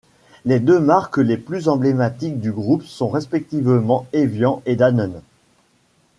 Les deux marques les plus emblématiques du groupe sont respectivement Évian et Danone.